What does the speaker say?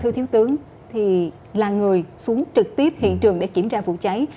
thưa thiếu tướng thì là người xuống trực tiếp hiện trường để kiểm tra vụ cháy